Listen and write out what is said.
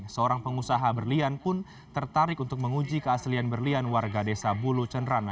seorang pengusaha berlian pun tertarik untuk menguji keaslian berlian warga desa bulu cenrana